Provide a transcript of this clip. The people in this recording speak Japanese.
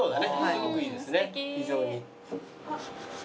すごくいいですね非常に。